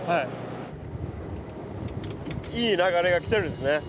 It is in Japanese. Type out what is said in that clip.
いい流れが来てるんですね。